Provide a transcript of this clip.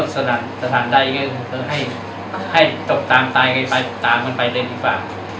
สถานการณ์ได้ให้ตกตามตายไปตามมันไปเรียนอีกฝั่ง